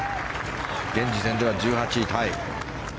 現時点では１８位タイ。